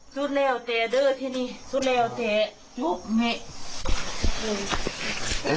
สู้แล้วเจ๊ด้วยที่นี่สู้แล้วเจ๊งบเหมือนกัน